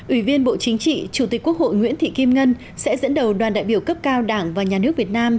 ủy viên bộ chính trị chủ tịch quốc hội nguyễn thị kim ngân sẽ dẫn đầu đoàn đại biểu cấp cao đảng và nhà nước việt nam